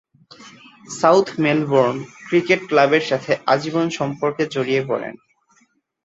South Melbourne cricket ক্লাবের সাথে আজীবন সম্পর্কে জড়িয়ে পড়েন।